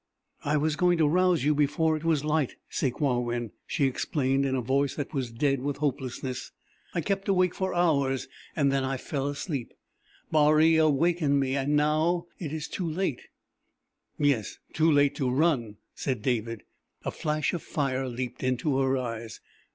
"I was going to rouse you before it was light, Sakewawin," she explained in a voice that was dead with hopelessness. "I kept awake for hours, and then I fell asleep. Baree awakened me, and now it is too late." "Yes, too late to run!" said David. A flash of fire leaped into her eyes.